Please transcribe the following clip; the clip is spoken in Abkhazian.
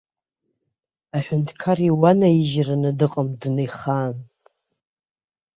Аҳәынҭқар иуанаижьраны дыҟам дунеихаан.